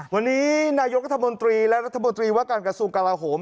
วันนี้นายกรัฐมนตรีและรัฐมนตรีว่าการกระทรวงกลาโหม